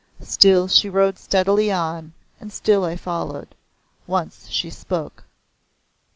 Still she rode steadily on, and still I followed. Once she spoke.